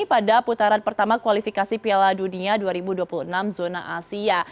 pada putaran pertama kualifikasi piala dunia dua ribu dua puluh enam zona asia